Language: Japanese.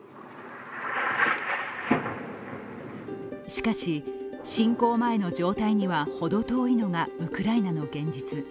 しかし、侵攻前の状態にはほど遠いのがウクライナの現実。